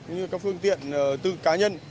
như các phương tiện tư cá nhân